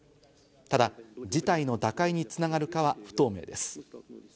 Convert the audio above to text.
ただ、事態の打開に繋がるかは不透明です。